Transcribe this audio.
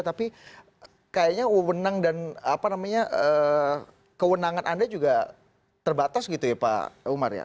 tapi kayaknya wawenang dan kewenangan anda juga terbatas gitu ya pak umar ya